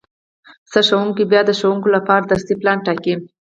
سرښوونکی بیا د ښوونکو لپاره درسي پلان ټاکي